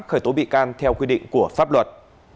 khởi tố bị can theo quy định của pháp luật